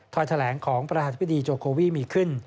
แถลงของประธานธิบดีโจโควีมีขึ้น